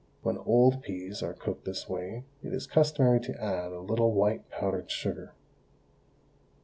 When old peas are cooked this way it is customary to add a little white powdered sugar.